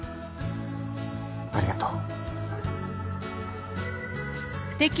ありがとう。